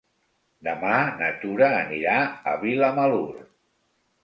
Demà na Tura anirà a Vilamalur.